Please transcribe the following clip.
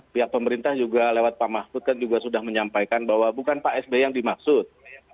pihak pemerintah juga lewat pak mahfud kan juga sudah menyampaikan bahwa bukan pak sby yang dimaksud